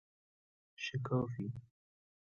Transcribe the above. شکافی